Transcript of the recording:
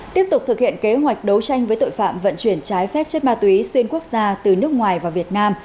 tiếp tục thực hiện kế hoạch đấu tranh với tội phạm vận chuyển trái phép chất ma túy xuyên quốc gia từ nước ngoài vào việt nam